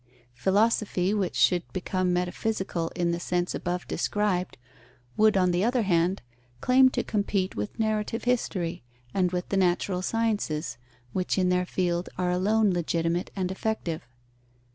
Philosophy, which should become metaphysical in the sense above described, would, on the other hand, claim to compete with narrative history, and with the natural sciences, which in their field are alone legitimate and effective.